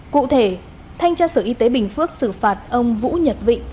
cụ thể thanh tra sở y tế bình phước xử phạt ông vũ nhật vị